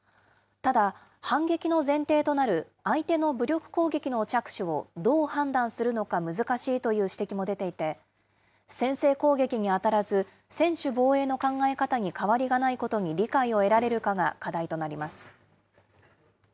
ただ、反撃の前提となる相手の武力攻撃の着手をどう判断するのか難しいという指摘も出ていて、先制攻撃にあたらず専守防衛の考え方に変わりがないことに理解を得られるかが課題となります。